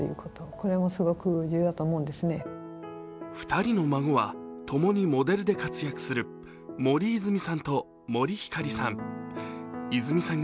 ２人の孫はともにモデルで活躍する森泉さんと森星さん。